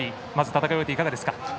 戦いを終えて、いかがですか？